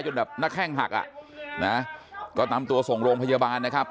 แบบหน้าแข้งหักอ่ะนะก็นำตัวส่งโรงพยาบาลนะครับ